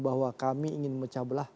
bahwa kami ingin memecah belah